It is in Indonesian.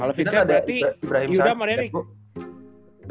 kalau vincent berarti yuda sama derick